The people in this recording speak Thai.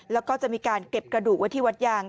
แล้วก็จะมีการเก็บกระดูกไว้ที่วัดยาง